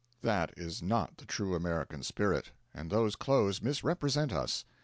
That is not the true American spirit, and those clothes misrepresent us.